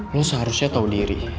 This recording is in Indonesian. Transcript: lo seharusnya tau diri